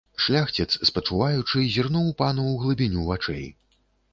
Шляхціц, спачуваючы, зірнуў пану ў глыбіню вачэй.